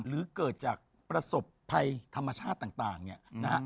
หรือเกิดจากประสบภัยธรรมชาติต่างเนี่ยนะฮะ